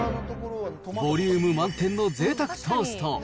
ボリューム満点のぜいたくトースト。